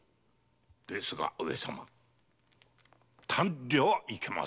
ですが上様短慮はいけませぬぞ。